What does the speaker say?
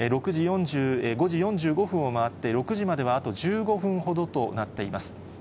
５時４５分を回って、６時まではあと１５分ほどとなっています。